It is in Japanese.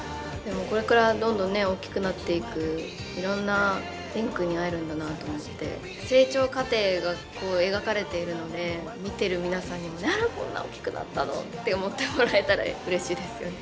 これからどんどん大きくなっていくいろんな蓮くんに会えるんだなと思って成長過程がこう描かれているので見てる皆さんにもこんな大きくなったのって思ってもらえたらうれしいですよね。